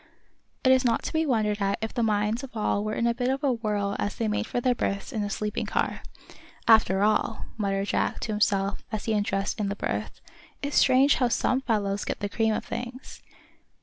It is not to be wondered at if the minds of all were in a bit of a whirl as they made for their berths in a sleeping car. "After all," muttered Jack, to himself, as he undressed in his berth, "it's strange how some fellows get the cream of things.